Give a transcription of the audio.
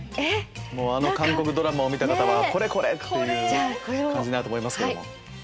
もうあの韓国ドラマを見た方はこれこれ！っていう感じになると思いますけども。